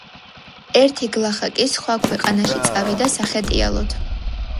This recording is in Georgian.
ერთი გლახაკი სხვა ქვეყანაში წავიდა სახეტიალოდ.